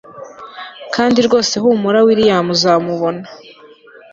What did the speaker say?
kandi rwose humura william uzamubona